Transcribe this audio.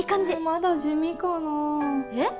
まだ地味かなあえっ？